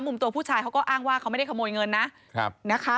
มุมตัวผู้ชายเขาก็อ้างว่าเขาไม่ได้ขโมยเงินนะนะคะ